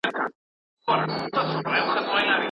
خدای ورکړی و شهپر د الوتلو